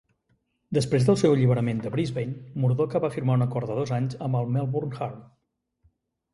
Després del seu alliberament de Brisbane, Murdocca va firmar un acord de dos anys amb el Melbourne Heart.